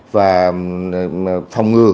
và phòng ngừa